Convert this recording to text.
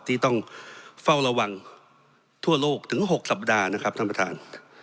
ที่ต้องเฝ้าระวังทั่วโลกถึง๖สัปดาห์นะครับท่านประธาน